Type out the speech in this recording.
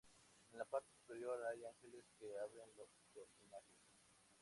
En la parte superior, hay ángeles que abren los cortinajes.